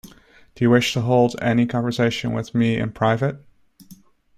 Do you wish to hold any conversation with me in private?